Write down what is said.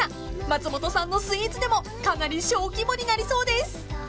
［松本さんのスイーツデモかなり小規模になりそうです］